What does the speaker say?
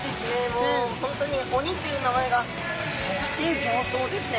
もう本当に鬼っていう名前がふさわしい形相ですね。